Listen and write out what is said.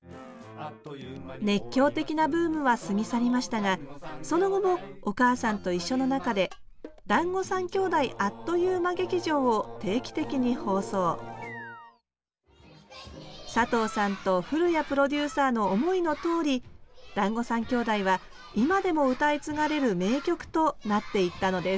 熱狂的なブームは過ぎ去りましたがその後も「おかあさんといっしょ」の中で「だんご３兄弟あっという間劇場」を定期的に放送佐藤さんと古屋プロデューサーの思いのとおり「だんご３兄弟」は今でも歌い継がれる名曲となっていったのです